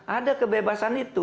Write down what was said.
ada kebebasan itu